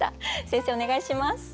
先生お願いします。